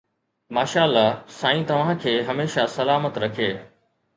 ماشاءالله سائين توهان کي هميشه سلامت رکي